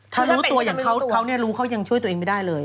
ถ้ารู้ตัวอย่างเขาเขารู้เขายังช่วยตัวเองไม่ได้เลย